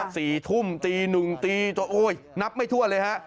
สี่ทุ่มตีหนึ่งตีจนโอ้ยนับไม่ทั่วเลยฮะ